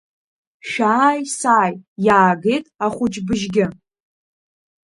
Шәааи-сааии, иаагеит ахәыҷ бжьгьы.